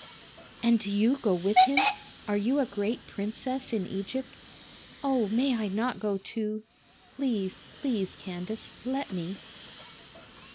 "And do you go with him? Are you a great princess in Egypt? Oh, may I not go too? Please, please, Candace, let me."